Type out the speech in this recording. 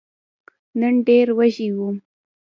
نن ډېر وږی وم !